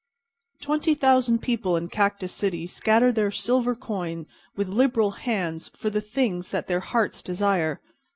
Twenty thousand people in Cactus City scatter their silver coin with liberal hands for the things that their hearts desire.